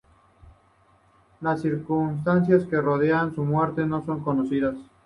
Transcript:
Las circunstancias que rodean su muerte no son conocidas.